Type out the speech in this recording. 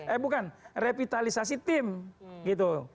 eh bukan revitalisasi tim gitu